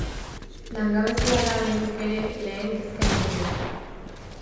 Langabezia da oraindik ere lehen kezka iturria.